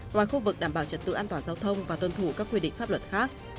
ngoài khu vực đảm bảo trật tự an toàn giao thông và tuân thủ các quy định pháp luật khác